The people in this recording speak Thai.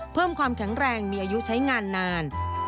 เพิ่มความแข็งแรงมีอายุใช้งานนาน